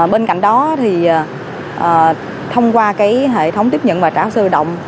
bên cạnh đó thì thông qua cái hệ thống tiếp nhận và trả hồ sơ tự động